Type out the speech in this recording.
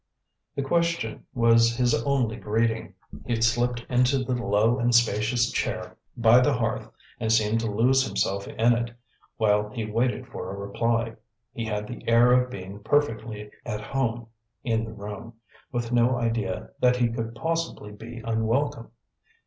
The question was his only greeting. He slipped into the low and spacious chair by the hearth, and seemed to lose himself in it, while he waited for a reply. He had the air of being perfectly at home in the room, with no idea that he could possibly be unwelcome.